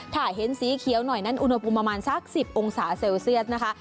ถ้าเห็นสีเขียวหน่อยนั้นอุณหภูมิประมาณสัก๑๐องศาเซลเซียสนะคะ